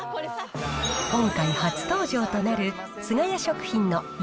今回初登場となる、菅谷食品の雪